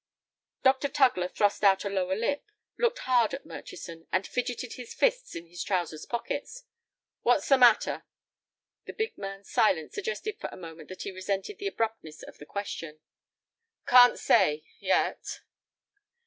Dr. Tugler thrust out a lower lip, looked hard at Murchison, and fidgeted his fists in his trousers pockets. "What's the matter?" The big man's silence suggested for a moment that he resented the abruptness of the question. "Can't say—yet."